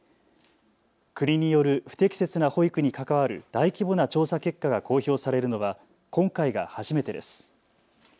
国による不適切な保育に関わる大規模な調査結果が公表されるのは今回が初めてです。